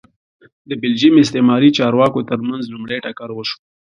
د بلجیم استعماري چارواکو ترمنځ لومړی ټکر وشو